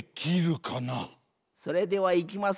それではいきますぞ。